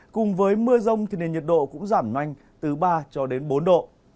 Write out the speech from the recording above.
cùng với mưa rông thì nền nhiệt độ cũng giảm nhanh từ ba bốn độ